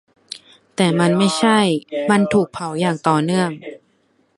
แต่มันไม่ใช่ : มันถูกเผาอย่างต่อเนื่อง